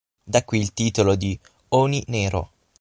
Da qui il titolo di "Oni Nero".